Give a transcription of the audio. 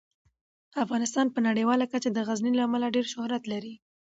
افغانستان په نړیواله کچه د غزني له امله ډیر شهرت لري.